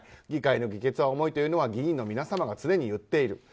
議会の議決は重いというのは議員の皆様が常に言っている。